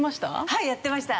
はいやってました。